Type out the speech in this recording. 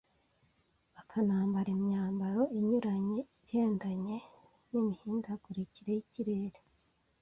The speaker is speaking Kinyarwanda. bakanambara imyambaro inyuranye igendanye n’imihindagurikire y’ikirere,